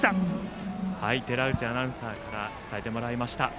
寺内アナウンサーから伝えてもらいました。